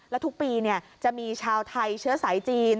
และทุกปีจะมีชาวไทยเชื้อสายจีน